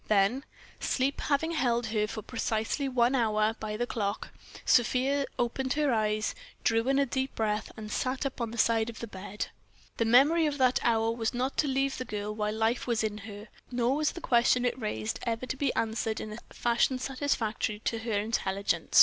Then, sleep having held her for precisely one hour by the clock, Sofia opened her eyes, drew in a deep breath, and at once sat up on the side of the bed. The memory of that hour was not to leave the girl while life was in her; nor was the question it raised ever to be answered in a fashion satisfactory to her intelligence.